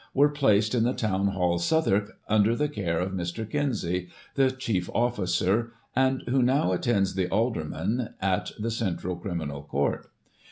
were placed in the Town Hall, Southwark, under the care of Mr. Kinsey, the chief officer, and who now attends the aldermen at the Central Criminal Court.